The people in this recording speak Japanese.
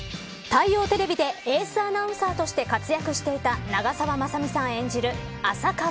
大洋テレビでエースアナウンサーとした活躍していた長澤まさみさん演じる浅川